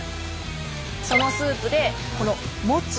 そのスープでこのモツ。